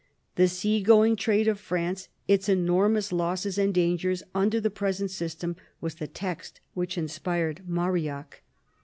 The sea going trade of France, its enor mous losses and dangers under the present system, was the text which inspired Marillac.